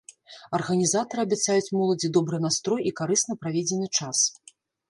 Арганізатары абяцаюць моладзі добры настрой і карысна праведзены час.